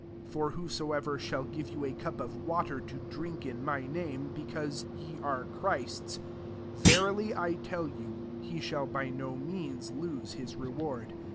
41 For whosoever shall give you a cup of water to drink in my name, because ye are Christ's, verily I tell you, he shall by no means lose his reward.